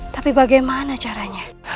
tapi bagaimana caranya